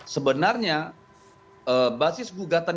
sebenarnya basis gugatan